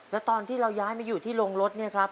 แล้วตอนที่เราย้ายมาอยู่ที่โรงรถเนี่ยครับ